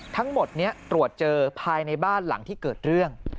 ทั้งหมดนี้ตรวจเจอภายในบ้านหลังที่เกิดเรื่อง